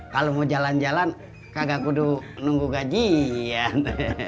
kalau mau jalan jalan kagak kudu nunggu gajian